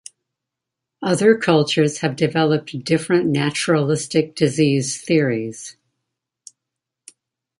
Other cultures have developed different naturalistic disease theories.